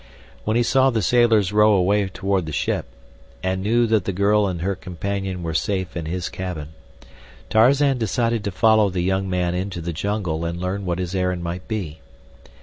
When he saw the sailors row away toward the ship, and knew that the girl and her companion were safe in his cabin, Tarzan decided to follow the young man into the jungle and learn what his errand might be.